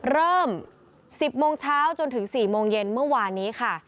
เริ่ม๑๐โมงเช้าจนถึง๔โมงเย็นเมื่อวานนี้ค่ะ